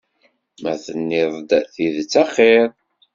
Ma tenniḍ-d tidet axiṛ.